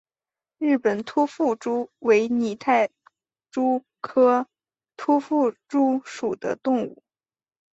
日本突腹蛛为拟态蛛科突腹蛛属的动物。